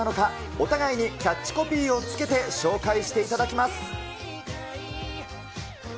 お互いにキャッチコピーをつけて紹介していただきます。